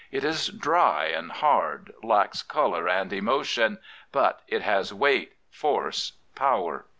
It is dry and hard, lacks colour and emotion; but it has weight, force, power.